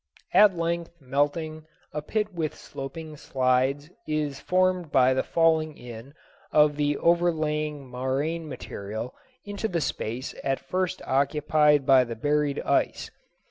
At length melting, a pit with sloping sides is formed by the falling in of the overlying moraine material into the space at first occupied by the buried ice.